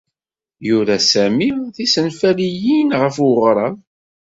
Yura Sami tisenfaliyin ɣef uɣrab.